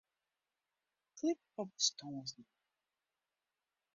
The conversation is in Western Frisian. Klik op bestânsnamme.